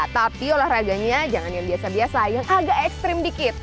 tapi olahraganya jangan yang biasa biasa yang agak ekstrim dikit